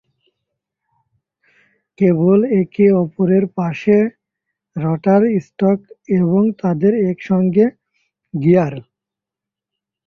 কেবল একে অপরের পাশে রটার স্ট্যাক এবং তাদের একসঙ্গে গিয়ার।